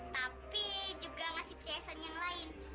tapi juga ngasih keisan yang lain